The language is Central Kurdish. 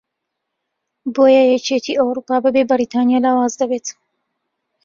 بۆیە یەکێتی ئەوروپا بەبێ بەریتانیا لاواز دەبێت